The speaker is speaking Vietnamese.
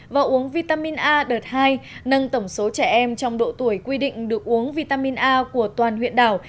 và uống vitamin a đợt hai nâng tổng số trẻ em trong độ tuổi quy định được uống vitamin a của toàn huyện đảo